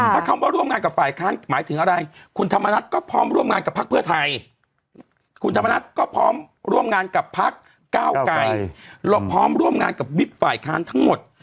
ถ้าคำว่าร่วมงานกับฝ่ายค้านหมายถึงอะไรคุณธรรมนัฐก็พร้อมร่วมงานกับพักเพื่อไทยคุณธรรมนัฐก็พร้อมร่วมงานกับพักก้าวไก่พร้อมร่วมงานกับวิบฝ่ายค้านทั้งหมด